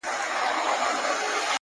اوس عجيبه جهان كي ژوند كومه-